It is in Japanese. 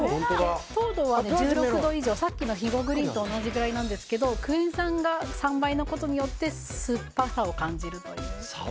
糖度は１６度以上、さっきの肥後グリーンと同じくらいでクエン酸が３倍なことによって酸っぱさを感じるという。